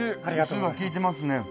酢が効いてますね。